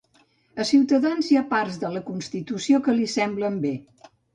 A Ciutadans hi ha parts de la Constitució que li semblen bé.